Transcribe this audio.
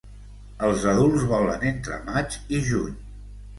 Els adults volen entre maig i juny.